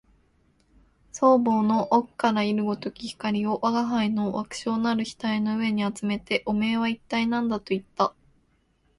双眸の奥から射るごとき光を吾輩の矮小なる額の上にあつめて、おめえは一体何だと言った